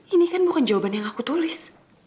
ini kan bukan jawaban yang aku tulis